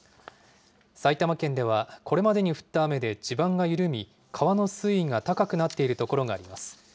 埼玉県ではこれまでに降った雨で地盤が緩み、川の水位が高くなっている所があります。